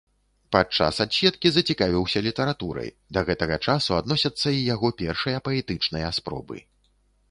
Падчас адседкі зацікавіўся літаратурай, да гэтага часу адносяцца і яго першыя паэтычныя спробы.